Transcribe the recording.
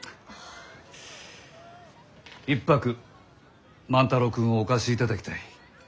一泊万太郎君をお貸しいただきたい。